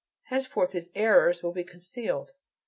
Henceforth his "errors" will be concealed.